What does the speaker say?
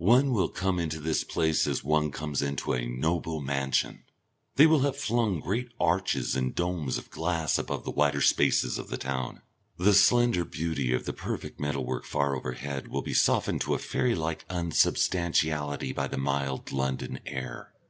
One will come into this place as one comes into a noble mansion. They will have flung great arches and domes of glass above the wider spaces of the town, the slender beauty of the perfect metal work far overhead will be softened to a fairy like unsubstantiality by the mild London air.